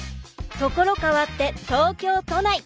ところ変わって東京都内。